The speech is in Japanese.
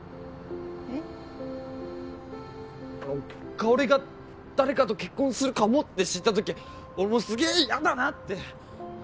香が誰かと結婚するかもって知った時俺もうすげえ嫌だなって。